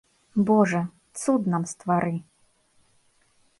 Божа, цуд нам ствары.